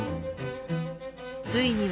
ついには